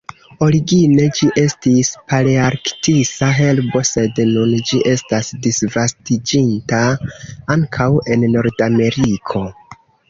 Origine ĝi estis palearktisa herbo sed nun ĝi estas disvastiĝinta ankaŭ en Nordameriko.